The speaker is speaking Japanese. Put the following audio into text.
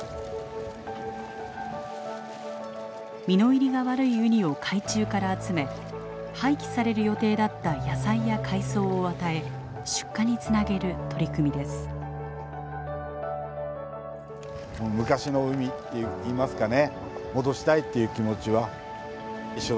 身の入りが悪いウニを海中から集め廃棄される予定だった野菜や海藻を与え出荷につなげる取り組みです。